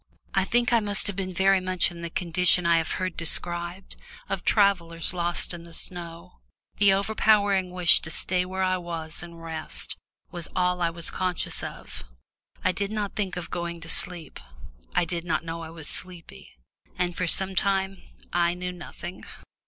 I think I must have been very much in the condition I have heard described, of travellers lost in the snow the overpowering wish to stay where I was and rest, was all I was conscious of. I did not think of going to sleep. I did not know I was sleepy. And for some time I knew nothing.